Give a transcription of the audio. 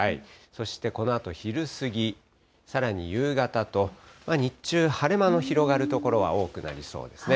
そしてこのあと昼過ぎ、さらに夕方と、日中、晴れ間の広がる所が多くなりそうですね。